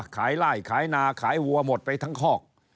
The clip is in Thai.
ขายไล่ขายนาขายวัวหมดไปทั้งคอก